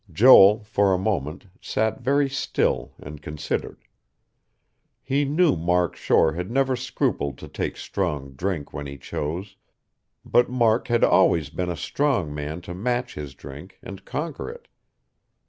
Joel, for a moment, sat very still and considered. He knew Mark Shore had never scrupled to take strong drink when he chose; but Mark had always been a strong man to match his drink, and conquer it.